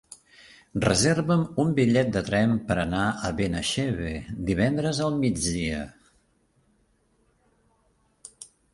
Reserva'm un bitllet de tren per anar a Benaixeve divendres al migdia.